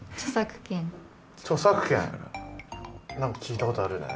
著作権何か聞いたことあるよね。